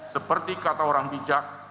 seperti kata orang bijak